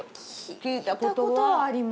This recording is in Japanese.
聞いたことはあります。